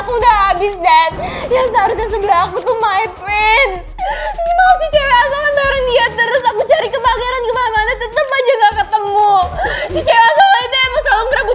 habis dan seharusnya segera aku tuh my friend terus aku cari kebahagiaan tetep aja gak ketemu